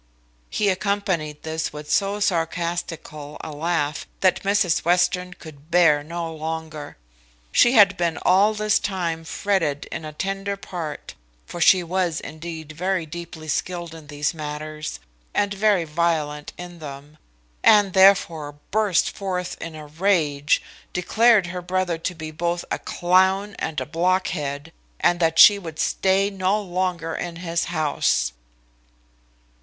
He accompanied this with so sarcastical a laugh, that Mrs Western could bear no longer. She had been all this time fretted in a tender part (for she was indeed very deeply skilled in these matters, and very violent in them), and therefore, burst forth in a rage, declared her brother to be both a clown and a blockhead, and that she would stay no longer in his house.